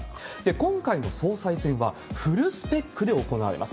今回の総裁選はフルスペックで行われます。